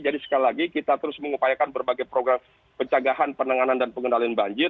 jadi sekali lagi kita terus mengupayakan berbagai program pencagahan penanganan dan pengendalian banjir